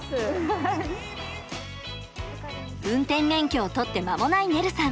運転免許を取って間もないねるさん。